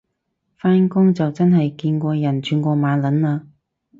返工就真係見過人串過馬撚嘞